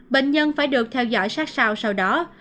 bệnh nhân phải được theo dõi sát sao sau đó